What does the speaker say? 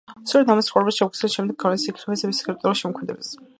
სწორედ მისი ცხოვრება ოქსფორდში შემდგომში გავლენას იქონიებს მის ლიტერატურულ შემოქმედებაზე.